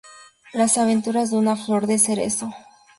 Las aventuras de una flor de cerezo.